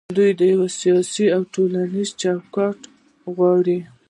دوی یو سیاسي او ټولنیز چوکاټ غواړي.